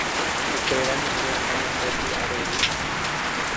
Upévaniko ñanembopy'arory